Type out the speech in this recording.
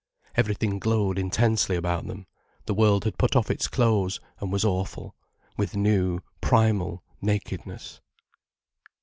Everything glowed intensely about them, the world had put off its clothes and was awful, with new, primal nakedness.